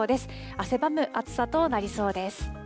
汗ばむ暑さとなりそうです。